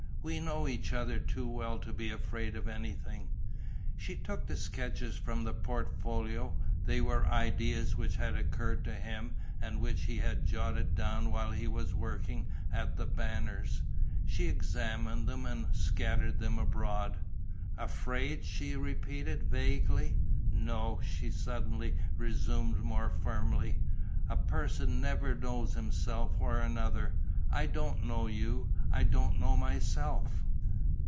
"We know each other too well to be afraid of anything." She took the sketches from the portfolio: they were ideas which had occurred to him and which he had jotted down while he was working at The Banners. She examined them and scattered them abroad: "Afraid?" she repeated, vaguely. "No," she suddenly resumed, more firmly. "A person never knows himself or another. I don't know you, I don't know myself."